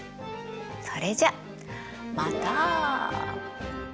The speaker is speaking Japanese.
それじゃまた！